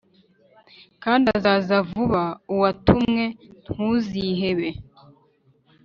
kandi azaza vuba uwa tumwe ntuzihebe